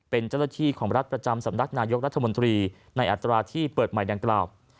เป็นเจ้าหน้าที่ของรัฐประจำสำนักนายกรัฐมนตรีในอัตราที่เปิดใหม่ดังกล่าว